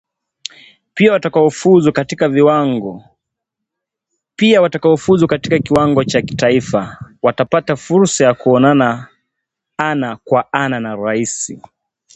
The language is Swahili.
Pia watakaofuzu katika kiwango cha Kitaifa watapata fursa ya kuonana ana kwa ana na rais